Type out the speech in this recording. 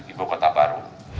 ibu kota baru